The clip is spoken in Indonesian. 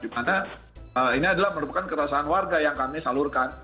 karena ini adalah merupakan kerasaan warga yang kami salurkan